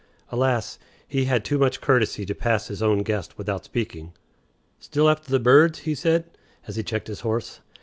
Alas! he had too much courtesy to pass his own guest without speaking. "Still after the birds?" he said, as he checked his horse.